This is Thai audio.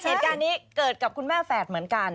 เหตุการณ์นี้เกิดกับคุณแม่แฝดเหมือนกัน